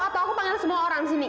atau aku pengen semua orang disini